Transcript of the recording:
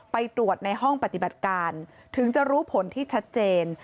ไปตรวจในห้องปฏิบัติการถึงจะรู้ผลที่ชัดเจน